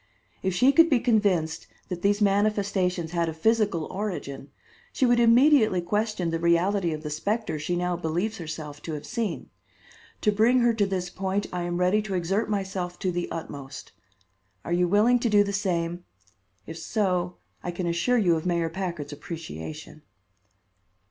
If she could be convinced that these manifestations had a physical origin, she would immediately question the reality of the specter she now believes herself to have seen. To bring her to this point I am ready to exert myself to the utmost. Are you willing to do the same? If so, I can assure you of Mayor Packard's appreciation."